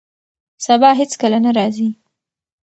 سبا هیڅکله نه راځي.